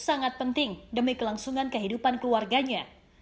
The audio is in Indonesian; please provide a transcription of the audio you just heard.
bantuan ini sangat penting demi kelangsungan kehidupan keluarganya